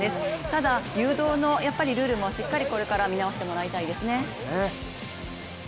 ただ誘導のルールもしっかりこれから見直してもらいたいですね。